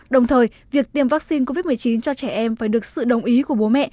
đồng thời việc tiêm vaccine covid một mươi chín cho trẻ em phải được sự đồng ý của bố mẹ